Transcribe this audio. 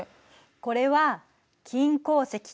これは金鉱石。